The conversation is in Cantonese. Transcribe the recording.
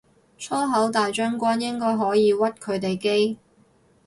粗口大將軍應該可以屈佢哋機